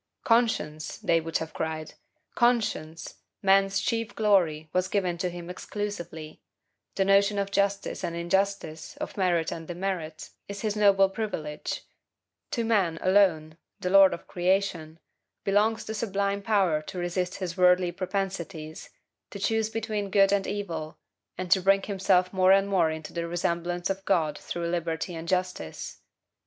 "Conscience," they would have cried, "conscience, man's chief glory, was given to him exclusively; the notion of justice and injustice, of merit and demerit, is his noble privilege; to man, alone, the lord of creation, belongs the sublime power to resist his worldly propensities, to choose between good and evil, and to bring himself more and more into the resemblance of God through liberty and justice....